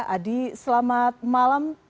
adwi selamat malam